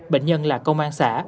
bệnh nhân là công an xã